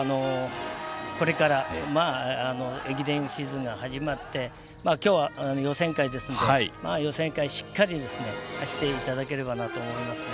これから駅伝シーズンが始まってきょうは予選会ですので、予選会、しっかりですね、走っていただければなと思いますね。